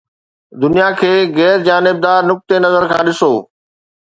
دنيا کي غير جانبدار نقطي نظر کان ڏسو